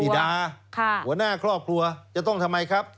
หัวหน้าครอบครัวจะต้องทำไมครับ